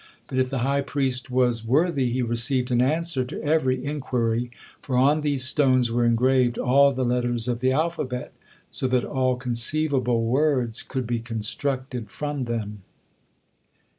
But if the high priest was worthy, he received an answer to every inquiry, for on these stones were engraved all the letters of the alphabet, so that all conceivable words could be constructed from them.